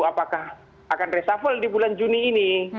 apakah akan resafel di bulan juni ini